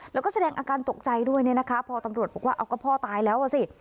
แล้วก็แสดงอาการตกใจด้วยเนี่ยนะคะพอตำรวจบอกว่าเอาก็พ่อตายแล้วอ่ะสิ